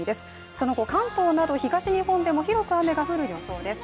その後、関東など東日本でも広く雨が降る予報です。